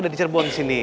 udah dicerbuan disini